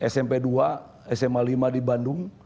smp dua sma lima di bandung